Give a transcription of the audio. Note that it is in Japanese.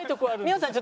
美穂さん